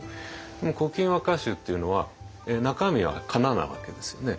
「古今和歌集」っていうのは中身はかななわけですよね。